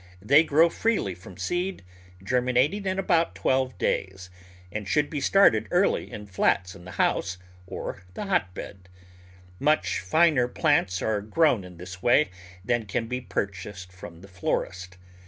They grow freely from seed, germinating in about twelve days, and should be started early in flats in the house or the hotbed. Much finer plants are grown in this way than can be purchased from the florist.